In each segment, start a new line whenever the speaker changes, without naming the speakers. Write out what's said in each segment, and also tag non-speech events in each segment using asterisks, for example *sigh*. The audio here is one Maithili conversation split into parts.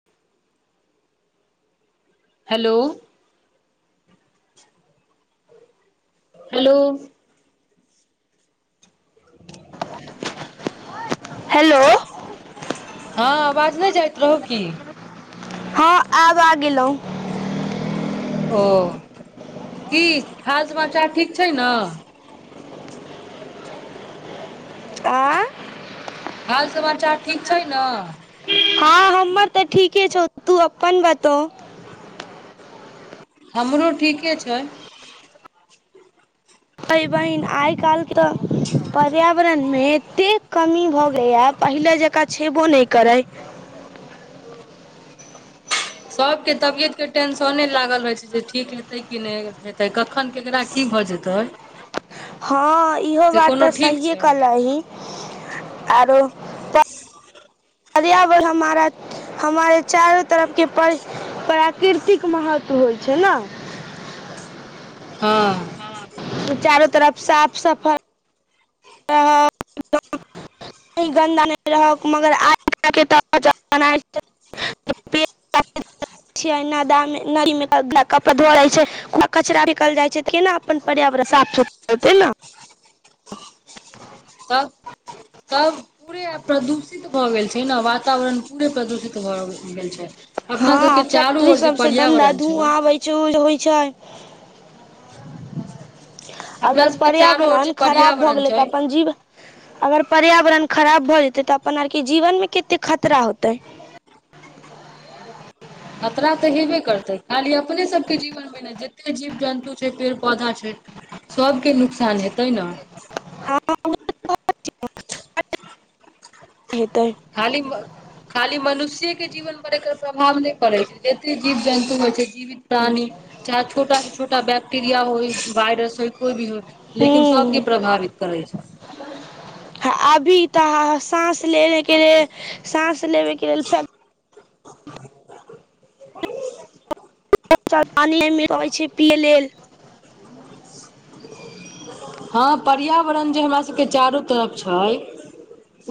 *inaudible* हेलो। हेलो।
हेलो।
हँ आवाज नै जाइत रहौ की?
हअ।
*unintelligible* ओ, की हाल समाचार ठीक छै न?
आँ
हाल समाचार ठीक छै न?
हँ हमर तऽ ठीके छौ तू अपन बतो?
हमरो ठीके छै।
ऐइ बहिन आइ काल्हिके तऽ पर्यावरणमे एतेक कमी भऽ गेलैईए पहिले जकाँ छेबो नहि करै।
सबके तबियत के टेंशने लागल रहै छै, जे ठीक हेतै कि नहि हेतै क खन केकरा की भऽ जेतै।
हँ इहो
से
बात
कोनो
तऽ
ठीक
सहिए
छै
कहलही। आरो
*unintelligible*
पर्यावरण हमारा। हमारे चारो तरफके पर प्राकृतिक महत्व होइ छै न।
*unintelligible* ह।
चारो तरफ साफ सफा। *unintelligible* *inaudible* पेड़ *inaudible* कचरा फेकल जाइ छै त केना अपन पर्यावरण साफ सुथरा होतै ने।
तब-तब पूरे प्रदूषित भऽ गेल छै ने वातावरण पूरे प्रदूषित। भ गेल छै अपना सबके
हँ
चारू ओर जे पर्यावरण छै।
चूल होइ छै।
अपना
अगर
सबके चारो ओर जे
पर्यावरण खराब भऽ
पर्यावरण
गेलै
छै
तऽ अपन जीव अगर पर्यावरण खराब भऽ जेतै तऽ अपन आरके जीवन मे कते खतरा होतै।
खतरा तऽ हेबे करतय खाली अपने सब के जीवन मे जते जीव जन्तु छै पेड़ पौधा छै सबके नुकसान हेतै ना।
हँ हेतय।
खाली म खाली मनुष्येके जीवन पर एकर प्रभाव नहि पड़ैत छै जते जीव जन्तु होइत छै जीवित प्राणी चाहे छोटा से छोटा बैक्टेरिया होय वायरस होय कोइ भी होय लेकिन सभके
हूँ
प्रभावित करै छै।
अभी तऽ साँस लेबे के लेल साँस लेबे के लेल *unintelligible* छै पियै लेल।
हँ पर्यावरण जे हमरा सबके चारू तरफ छै।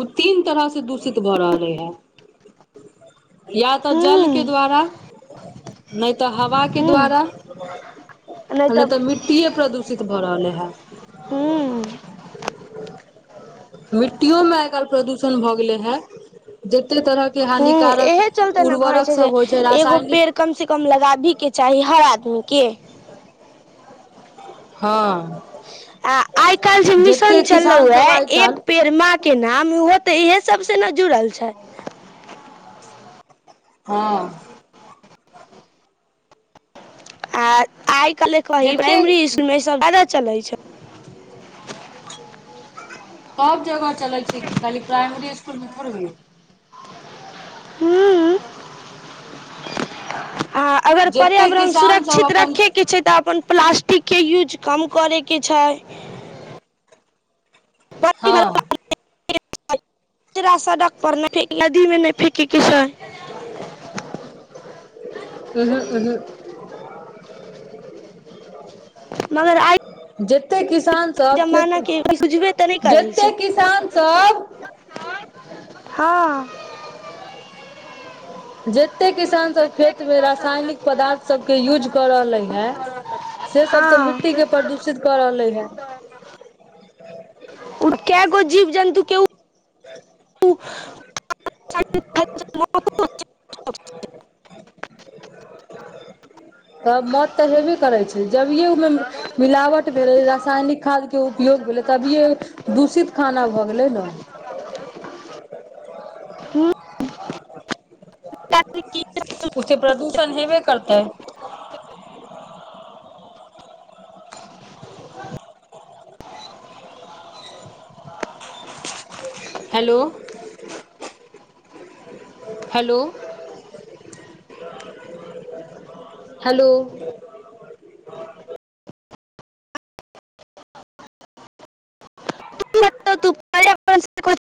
उ तीन तरह से दूषित भऽ रहले हे। या तऽ जल
हूँ
के द्वारा नहि तऽ ह हवा के
हूँ
द्वारा नहि तऽ मिट्टीेये प्रदूषित भऽ रहले है।
हू।
मिट्टियों मे आइ काइल प्रदूषण भऽ गेलै है। जते तरह के
हूँ
हानिकारक
एहे
उर्वरक सब होइ छै रासायनिक
कमसँ कम लगाबीके चाही हर आदमीके।
हँ।
आ आइ काल्हि जे मिशन
जते
चललहु
किसान सब
या
आइ
एक
काल्हि
पेड़ मा के नाम ओहो तऽ इएहे सबसँ ने जुड़ल छै।
हँ।
आ आइ काल्हि कही
जतेक
प्राइमरी इसकुलमे ईसभ ज्यादा चलैत छै।
सब जगह चलै छै कि खाली प्राइमरी मे इसकुलमे तोड़ही।
हू। आ अगर
जते
पर्यावरण
किसान सब
सुरक्षित
अपन
रखैके छै तऽ अपन प्लास्ट स्टिके यूज कम करैके छै।
हँ।
*unintelligible* नदीमे नहि फेेकैके छै।
उहु उहु।
मगर आइ
जेते किसान सब
जमाना
ख
के बुझबे तऽ नहि करै
जते
छै
किसान सब
हँ।
जेते किसान सब खेतमे रासायनिक पदार्थसभके यूज कऽ रहले है। से सब तऽ
हँ
मिट्टी के प्रदूषित कऽ रहले है।
ओ कए गो जीव जन्तु के उ। *unintelligible* *unintelligible*
तब मौत तऽ हेबे करै छै, जभीएहे ओहिमे मिलावट भेले रसायनिक खाद के उपयोग भेलै तभियए दूषित खाना भए गेलै ने? उे ते प्रदूषण हेबे करतै। हेलो हेलो हेलो *inaudible*
पर्यावरण से